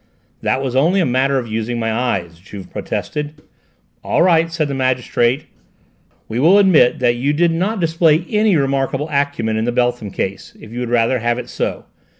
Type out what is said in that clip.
"That was only a matter of using my eyes," Juve protested. "All right," said the magistrate, "we will admit that you did not display any remarkable acumen in the Beltham case, if you would rather have it so.